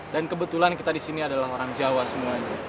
dan kebetulan kita di sini adalah orang jawa semuanya